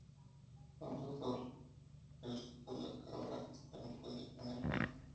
Cuando Thor resucitó la cabra, esta no podía caminar bien.